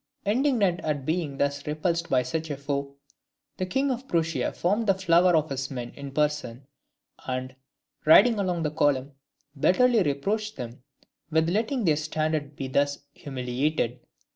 Indignant at being thus repulsed by such a foe, the King of Prussia formed the flower of his men in person, and, riding along the column, bitterly reproached them with letting their standard be thus humiliated.